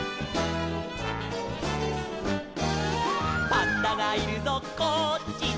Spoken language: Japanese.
「パンダがいるぞこっちだ」